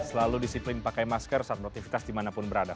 selalu disiplin pakai masker saat beraktivitas dimanapun berada